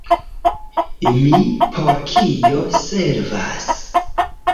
Mi por kio servas?